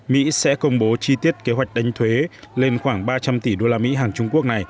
mỹ sẽ công bố trả lời đối với trung quốc